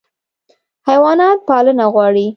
حیوانات پالنه غواړي.